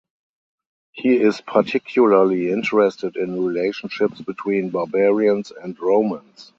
He is particularly interested in relationships between "barbarians" and Romans.